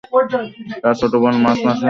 তার ছোট বোন মার্চ মাসে মৃত্যুবরণ করে।